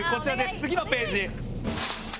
次のページ。